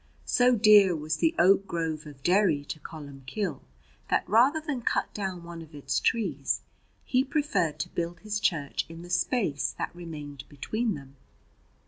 So dear was the oak grove of Derry to Columbcille, that rather than cut down one of its trees, he preferred to build his church in the space that remained between them.